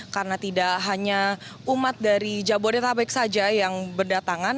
karena tidak hanya umat dari jabodetabek saja yang berdatangan